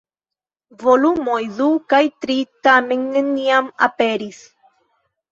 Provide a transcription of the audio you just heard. Volumoj du kaj tri, tamen, neniam aperis.